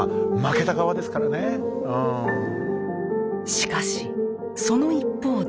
しかしその一方で。